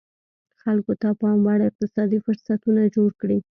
خلکو ته پاموړ اقتصادي فرصتونه جوړ کړي.